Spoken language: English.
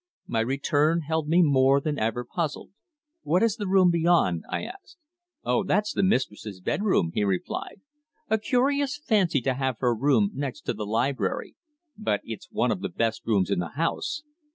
My return held me more than ever puzzled. "What is the room beyond?" I asked. "Oh! That's the mistress's bedroom," he replied. "A curious fancy to have her room next to the library. But it's one of the best rooms in the house.